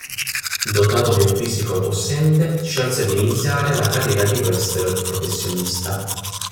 Dotato di un fisico possente, scelse di iniziare la carriera di wrestler professionista.